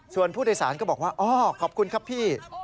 ส่วนผู้โดยสารก็บอกว่าอ๋อขอบคุณครับพี่